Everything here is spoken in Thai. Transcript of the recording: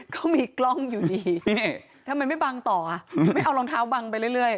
ก็มีกล้องอยู่ดีทำไมไม่บังต่ออ่ะไม่เอารองเท้าบังไปเรื่อย